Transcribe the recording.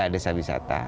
ya desa wisata